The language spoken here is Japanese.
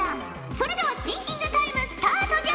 それではシンキングタイムスタートじゃ！